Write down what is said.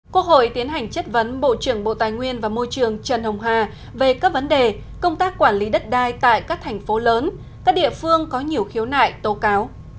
quốc hội tiến hành chất vấn bộ trưởng bộ tài nguyên và môi trường trần hồng hà về các vấn đề công tác quản lý đất đai tại các thành phố lớn các địa phương có nhiều khiếu nại tố cáo